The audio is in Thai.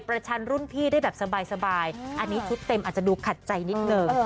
ชันรุ่นพี่ได้แบบสบายอันนี้ชุดเต็มอาจจะดูขัดใจนิดหนึ่ง